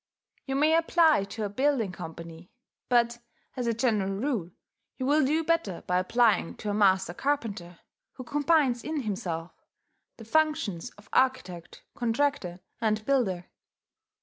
You may apply to a building company; but, as a general rule, you will do better by applying to a master carpenter, who combines in himself the functions of architect, contractor, and builder.